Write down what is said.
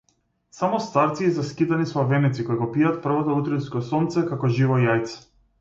Само старци и заскитани славеници кои го пијат првото утринско сонце како живо јајце.